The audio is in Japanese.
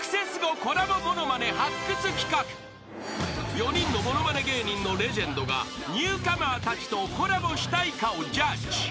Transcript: ［４人のものまね芸人のレジェンドがニューカマーたちとコラボしたいかをジャッジ］